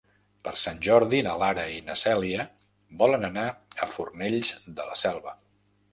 Per Sant Jordi na Lara i na Cèlia volen anar a Fornells de la Selva.